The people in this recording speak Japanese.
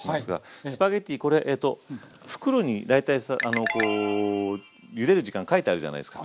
スパゲッティこれ袋に大体こうゆでる時間書いてあるじゃないですか。